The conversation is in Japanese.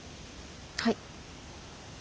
はい。